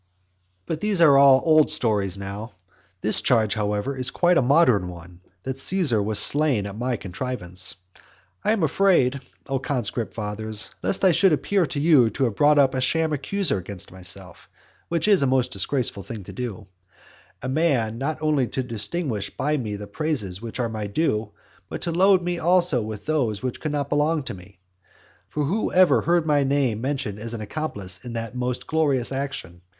XI. But these are all old stories now. This charge, however, is quite a modern one, that Caesar was slain by my contrivance. I am afraid, O conscript fathers, lest I should appear to you to have brought up a sham accuser against myself (which is a most disgraceful thing to do); a man not only to distinguish me by the praises which are my due, but to load me also with those which do not belong to me. For who ever heard my name mentioned as an accomplice in that most glorious action?